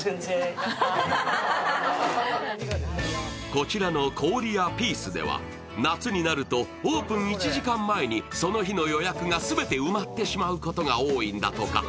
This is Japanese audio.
こちらの氷屋ぴぃすでは夏になるとオープン１時間前にその日の予約が全て埋まってしまうことが多いんだとか。